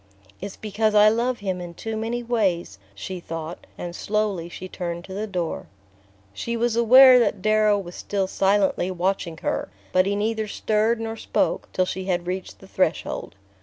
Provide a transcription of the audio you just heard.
"It's because I love him in too many ways," she thought; and slowly she turned to the door. She was aware that Darrow was still silently watching her, but he neither stirred nor spoke till she had reached the threshold.